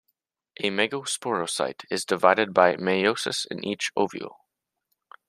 A megasporocyte is divided by meiosis in each ovule.